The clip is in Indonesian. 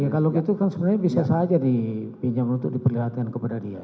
ya kalau gitu kan sebenarnya bisa saja dipinjam untuk diperlihatkan kepada dia